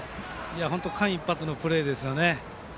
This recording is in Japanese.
間一髪のプレーですね。